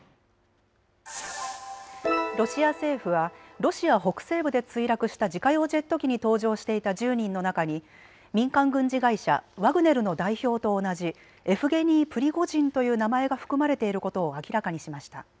ロシア政府はロシア北西部で墜落した自家用ジェット機に搭乗していた１０人の中に民間軍事会社ワグネルの代表と同じエフゲニー・プリゴジンという名前が含まれていることを明らかにしました。